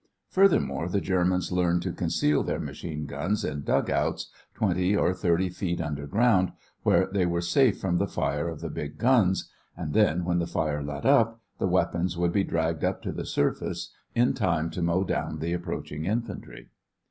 Furthermore, the Germans learned to conceal their machine guns in dugouts twenty or thirty feet underground, where they were safe from the fire of the big guns, and then, when the fire let up, the weapons would be dragged up to the surface in time to mow down the approaching infantry.